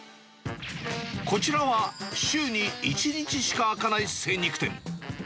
こちらは、週に１日しか開かない精肉店。